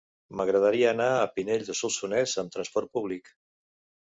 M'agradaria anar a Pinell de Solsonès amb trasport públic.